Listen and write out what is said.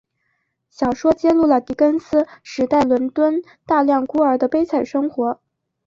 小说揭露了狄更斯时代伦敦大量孤儿的悲惨生活。